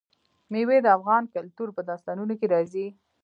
مېوې د افغان کلتور په داستانونو کې راځي.